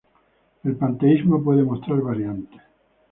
El panteísmo puede mostrar variantes.